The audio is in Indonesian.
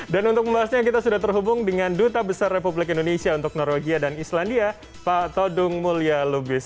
dan untuk pembahasannya kita sudah terhubung dengan duta besar republik indonesia untuk norwegia dan islandia pak todung mulya lubis